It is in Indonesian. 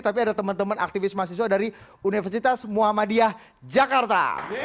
tapi ada teman teman aktivis mahasiswa dari universitas muhammadiyah jakarta